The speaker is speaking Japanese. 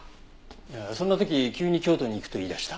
いやそんな時急に京都に行くと言い出した。